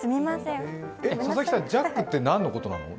佐々木さん、ジャックってなんのことなの？